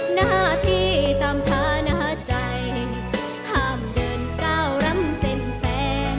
หน้าที่ตามฐานาใจห้ามเดินก้าวร้ำเส้นแฟน